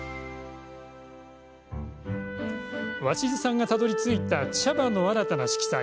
鷲巣さんがたどりついた茶葉の新たな色彩。